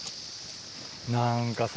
何かさ。